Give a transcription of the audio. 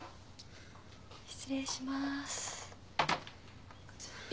失礼します。